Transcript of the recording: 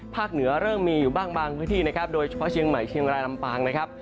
เหนือเริ่มมีอยู่บ้างบางพื้นที่นะครับโดยเฉพาะเชียงใหม่เชียงรายลำปางนะครับ